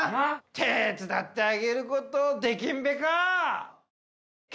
手伝ってあげる事できんべか？